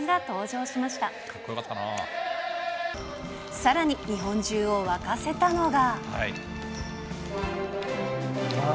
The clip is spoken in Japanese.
さらに日本中を沸かせたのが。